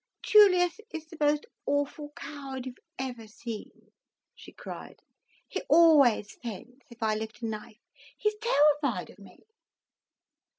"Julius's the most awful coward you've ever seen," she cried. "He always faints if I lift a knife—he's tewwified of me."